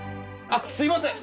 あっすいません！